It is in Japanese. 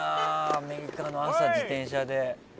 アメリカの朝、自転車で。